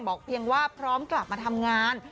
เพียงว่าพร้อมกลับมาทำงาน